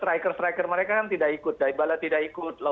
namun di bawah itu vaxna yang cukupteobseini juga